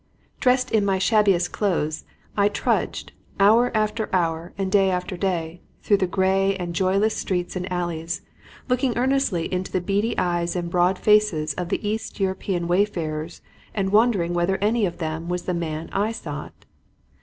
Dressed in my shabbiest clothes, I trudged, hour after hour and day after day, through the gray and joyless streets and alleys, looking earnestly into the beady eyes and broad faces of the East European wayfarers and wondering whether any of them was the man I sought.